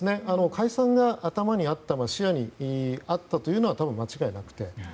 解散が頭にあったのは視野にあったというのは多分、間違いなくて。